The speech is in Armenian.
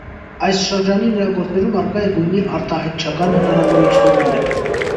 Այս շրջանի նրա գործերում առկա է գույնի արտահայտչական հնարավորությունները։